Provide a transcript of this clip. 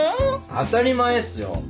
当たり前っすよ。